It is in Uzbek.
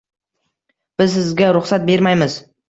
Biz sizga ruxsat bermaymiz.